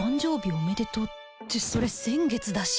おめでとうってそれ先月だし